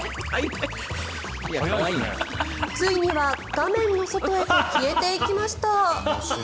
ついには画面の外へと消えていきました。